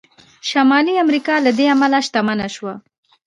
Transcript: شمالي امریکا له دې امله شتمنه شوه.